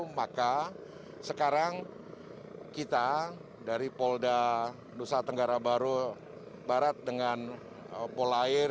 maka sekarang kita dari polda nusa tenggara barat dengan polair